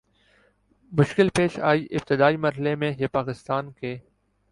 مشکل پیش آئی ابتدائی مر حلے میں یہ پاکستان کے